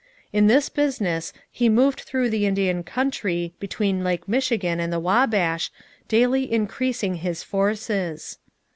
In this business he moved through the Indian country between Lake Michigan and the Wabash, daily increasing his forces.